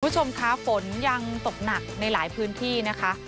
คุณผู้ชมคะฝนยังตกหนักในหลายพื้นที่นะคะ